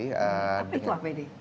apa itu apd